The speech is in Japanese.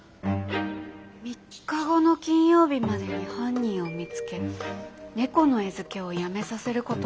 「３日後の金曜日までに犯人を見つけ猫の餌付けをやめさせること。